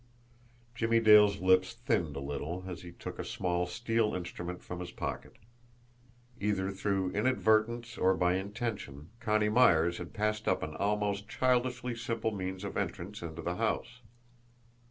Jimmie Dale's lips thinned a little, as he took a small steel instrument from his pocket. Either through inadvertence or by intention, Connie Myers had passed up an almost childishly simple means of entrance into the house!